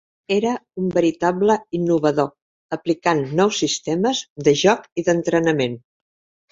Era un veritable innovador, aplicant nous sistemes de joc i d'entrenament.